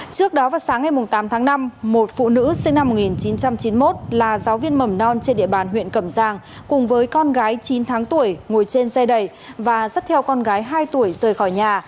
trước đó vào sáng ngày tám tháng năm một phụ nữ sinh năm một nghìn chín trăm chín mươi một là giáo viên mầm non trên địa bàn huyện cẩm giang cùng với con gái chín tháng tuổi ngồi trên xe đẩy và dắt theo con gái hai tuổi rời khỏi nhà